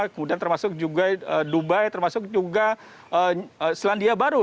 kemudian termasuk juga dubai termasuk juga selandia baru